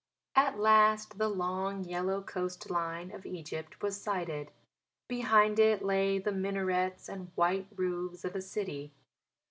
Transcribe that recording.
At last the long, yellow coast line of Egypt was sighted. Behind it lay the minarets and white roofs of a city.